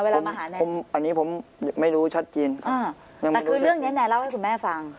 เวลามาหานายผมอันนี้ผมไม่รู้ชัดเจนอ่าแต่คือเรื่องเนี้ยแนนเล่าให้คุณแม่ฟัง